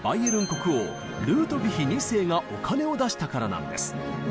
国王ルートヴィヒ２世がお金を出したからなんです。